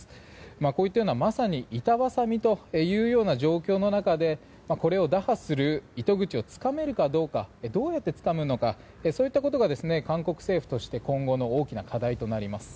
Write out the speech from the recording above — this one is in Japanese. こういったようなまさに板挟みというような状況の中でこれを打破する糸口をつかめるかどうかどうやってつかむのかそういったことが韓国政府としては今後の大きな課題となります。